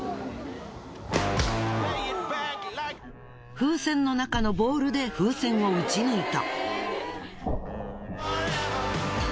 風船の中のボールで風船を撃ち抜いた。